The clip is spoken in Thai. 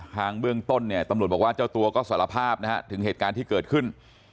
เบื้องต้นเนี่ยตำรวจบอกว่าเจ้าตัวก็สารภาพนะฮะถึงเหตุการณ์ที่เกิดขึ้น